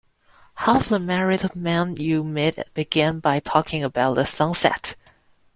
Half the married men you meet began by talking about the sunset.